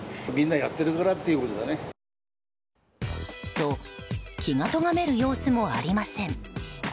と、気がとがめる様子もありません。